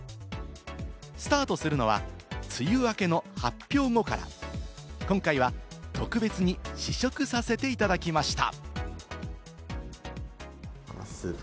スタートするのは梅雨明けの発表後から今回は特別に試食させていただきました。